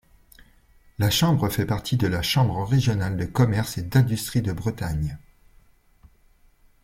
La chambre fait partie de la Chambre régionale de commerce et d'industrie de Bretagne.